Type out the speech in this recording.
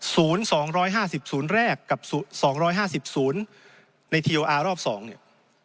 ศูนย์๒๕๐ศูนย์แรกกับ๒๕๐ศูนย์ในทีโออาร์รอบ๒เนี่ย